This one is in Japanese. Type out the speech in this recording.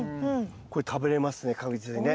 これ食べれますね確実にね。